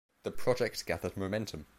The project gathered momentum.